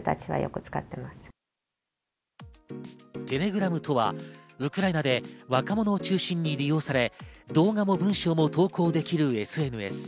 テレグラムとはウクライナで若者を中心に利用され、動画も文章も投稿できるＳＮＳ。